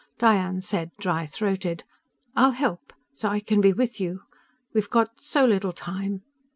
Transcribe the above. Diane said, dry throated: "I'll help. So I can be with you. We've got so little time."